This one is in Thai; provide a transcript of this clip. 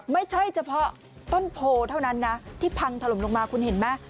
ไม่ใช่เฉพาะต้นโพเท่านั้นนะที่พังถล่มลงมาคุณเห็นไหม